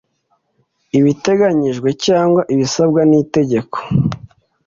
ibiteganyijwe cyangwa ibisabwa ni itegeko